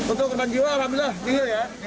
untuk perban jiwa alhamdulillah tinggi ya